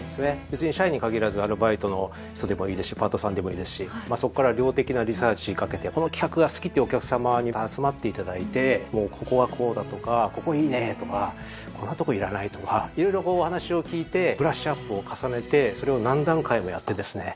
別に社員に限らずアルバイトの人でもいいですしパートさんでもいいですしそこから量的なリサーチかけてこの企画が好きっていうお客さまに集まっていただいてここはこうだとかここいいねとかこんなとこいらないとか色々お話を聞いてブラッシュアップを重ねてそれを何段階もやってですね